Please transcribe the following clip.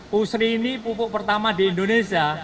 pusri ini pupuk pertama di indonesia